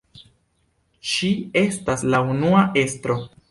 Ŝi estas la unua estro.